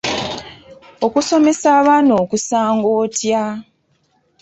Okusomesa abaana okusanga otya?